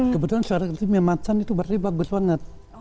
kebetulan suara itu macan itu berarti bagus banget